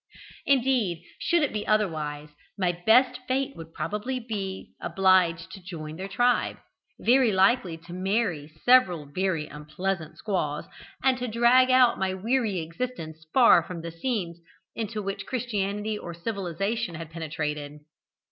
Indeed, should it be otherwise, my best fate would probably be to be obliged to join their tribe, very likely to marry several very unpleasant squaws, and to drag out my weary existence far away from scenes into which christianity or civilisation had penetrated.